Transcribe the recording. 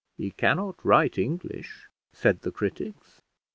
He cannot write English, said the critics.